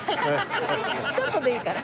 ちょっとでいいから。